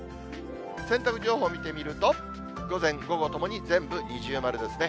洗濯情報見てみると、午前、午後ともに全部二重丸ですね。